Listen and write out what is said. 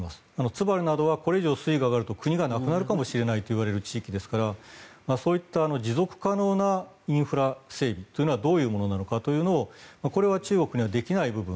ツバルなどはこれ以上水位が上がると国がなくなるかもしれないという地域ですからそういった持続可能なインフラ整備というのはどういうものなのかというのをこれは中国にはできない部分。